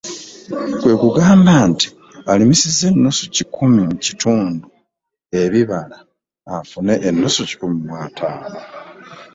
Kwe kugamba nti alimisizza nnusu kikumi mu kutunda ebibala afune nnusu kikumi mu ataano.